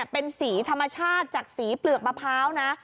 เป็นสีธรรมชาติจากสีเปลือกมะพร้าวนะ